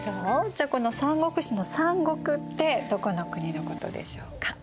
じゃあこの「三国志」の「三国」ってどこの国のことでしょうか？